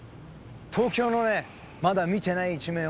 東京のねまだ見てない一面をね